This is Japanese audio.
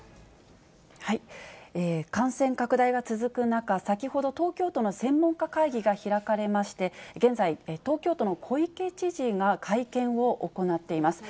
感染拡大が続く中、先ほど、東京都の専門家会議が開かれまして、現在、東京都の小池知事が会見を行っています。